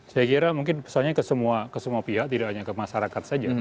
saya kira mungkin pesannya ke semua pihak tidak hanya ke masyarakat saja